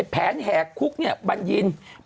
แผนแหกกุ๊กเนียมีแสดงต่ำหัวใจ